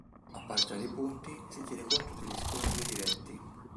A parità di punti, si tiene conto degli scontri diretti.